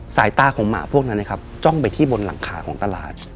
สายตาของหมาพวกนั้นนะครับจ้องไปที่บนหลังคาของตลาด